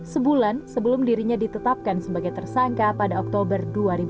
sebulan sebelum dirinya ditetapkan sebagai tersangka pada oktober dua ribu dua puluh